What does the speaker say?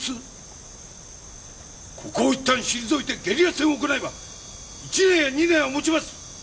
ここをいったん退いてゲリラ戦を行えば１年や２年はもちます。